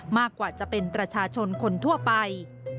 มากกว่าจะเป็นประชาชนคนทั่วไป